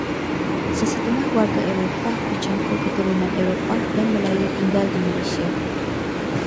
Sesetengah warga Eropah bercampur keturunan Eropah dan Melayu tinggal di Malaysia.